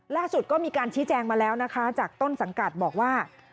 ล่าสุดก็มีการชี้แจงมาแล้วนะคะจากต้นสังกัดบอกว่า